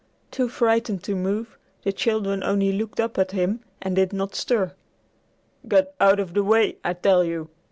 Too frightened to move, the children only looked up at him and did not stir. "Get out of the way, I tell you!"